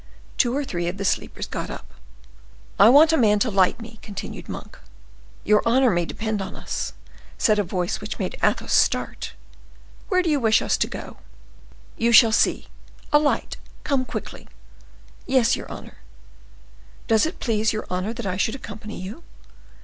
Two or three of the sleepers got up. "I want a man to light me," continued Monk. "Your honor may depend on us," said a voice which made Athos start. "Where do you wish us to go?" "You shall see. A light! come, quickly!" "Yes, your honor. Does it please your honor that I should accompany you?"